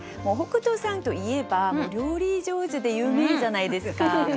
北斗さんといえば料理上手で有名じゃないですか。